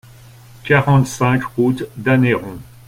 quarante-cinq route d'Anneyron